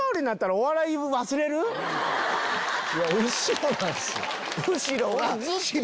いや後ろなんすよ。